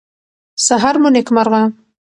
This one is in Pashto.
سهار مو نیکمرغه